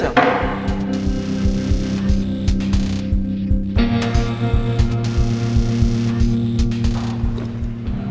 jauhin dia sel